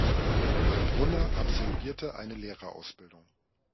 Karl Brunner absolvierte eine Lehrerausbildung.